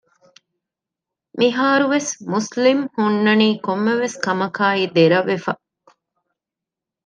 މިހާރުވެސް މުސްލިމް ހުންނަނީ ކޮންމެވެސް ކަމަކާއި ދެރަވެފަ